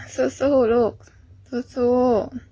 สู้สู้ลูกสู้สู้